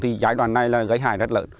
thì giai đoạn này là gây hại rất lớn